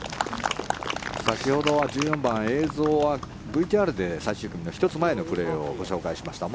先ほどは１４番映像はＶＴＲで最終組の１つ前のプレーをご紹介しました。